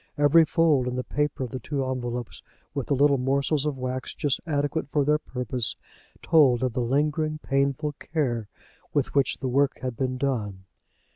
Every fold in the paper of the two envelopes, with the little morsels of wax just adequate for their purpose, told of the lingering painful care with which the work had been done.